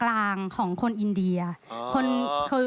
การทำงานที่นู่น